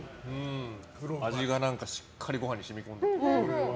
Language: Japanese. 味がしっかりご飯に染み込んでて。